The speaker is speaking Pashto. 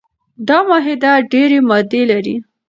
دا معاهده ډیري مادې لري.